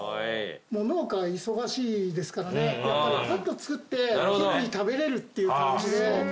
農家忙しいですからねやっぱりぱっと作ってすぐに食べれるっていう感じで。